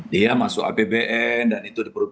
dia masuk apbn dan itu